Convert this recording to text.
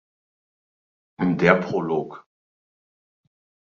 Der Prolog.